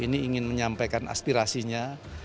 ini ingin menyampaikan aspirasinya